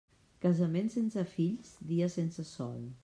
Casament sense fills, dia sense sol.